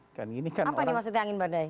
apa maksudnya angin badai